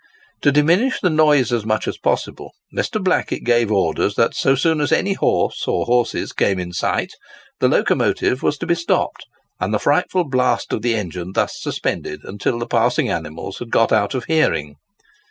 To diminish the noise as much as possible, Mr. Blackett gave orders that so soon as any horse, or horses, came in sight, the locomotive was to be stopped, and the frightful blast of the engine thus suspended until the passing animals had got out of hearing.